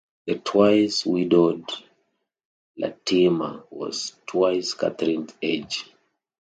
The twice-widowed Latimer was twice Catherine's age.